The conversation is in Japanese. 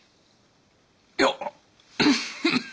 いや。